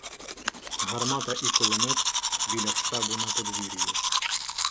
Гармата і кулемет — біля штабу на подвір'ї.